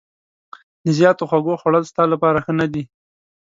د زیاتو خوږو خوړل ستا لپاره ښه نه دي.